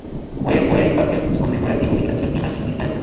Hoy hay un parque conmemorativo para las víctimas en esta aldea.